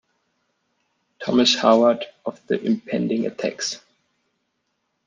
Thomas Howard of the impending attacks.